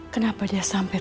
kenapa dia sampai